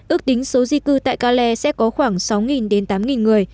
ước tính số di cư tại kalley sẽ có khoảng sáu đến tám người